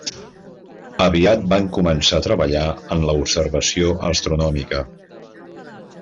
Aviat van començar a treballar en l'observació astronòmica.